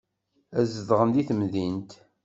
Ad zedɣen deg temdint.